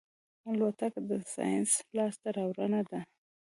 الوتکه د ساینس لاسته راوړنه ده.